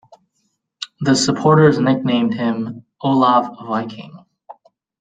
The supporters nicknamed him "Olav Viking".